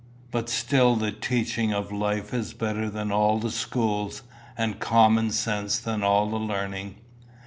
But still the teaching of life is better than all the schools, and common sense than all learning.